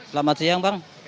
selamat siang pak